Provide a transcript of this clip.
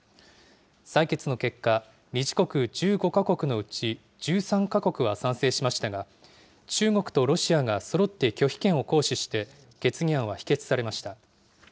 採決の結果、理事国１５国のうち１３か国は賛成しましたが、中国とロシアがそろって拒否権を行使して決議案は否決されました。